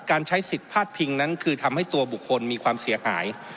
ใช้สิทธิ์พาดพิงนั้นคือทำให้ตัวบุคคลมีความเสียหาย